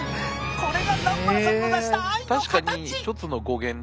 これが南原さんの出した愛の形！